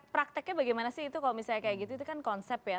prakteknya bagaimana sih itu kalau misalnya kayak gitu itu kan konsep ya